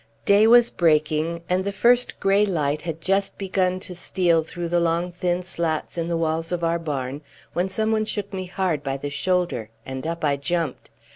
Day was breaking, and the first grey light had just begun to steal through the long thin slits in the walls of our barn, when someone shook me hard by the shoulder, and up I jumped.